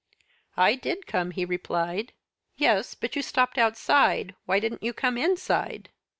"'I did come!' he replied. "'Yes but you stopped outside. Why didn't you come inside?'